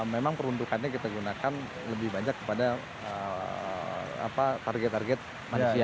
memang peruntukannya kita gunakan lebih banyak kepada target target manusia